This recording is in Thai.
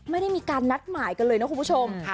ไม่ได้มีการนัดหมายกันเลยนะคุณผู้ชม